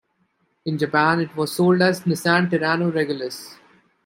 In Japan it was sold as the Nissan Terrano Regulus.